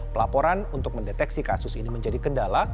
pelaporan untuk mendeteksi kasus ini menjadi kendala